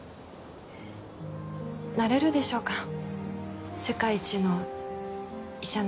なれるでしょうか世界一の医者なんかに。